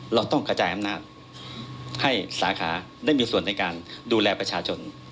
เราต้องกระจายอำนาจให้สาขาได้มีส่วนในการดูแลประชาชน